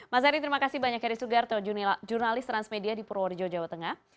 mas eri terima kasih banyak ya di sugar to journalist transmedia di projo jawa tengah